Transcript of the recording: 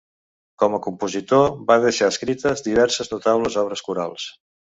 Com a compositor va deixar escrites diverses notables obres corals.